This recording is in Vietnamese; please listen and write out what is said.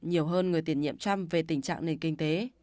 nhiều hơn người tiền nhiệm trăm về tình trạng nền kinh tế